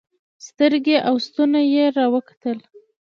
سترګې او ستونى يې راوکتل.